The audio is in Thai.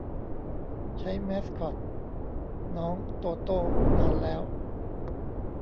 ใช้มาสคอต น้องโตโต้ นานแล้ว